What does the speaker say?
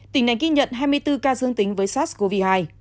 tỉnh này ghi nhận hai mươi bốn ca dương tính với sars cov hai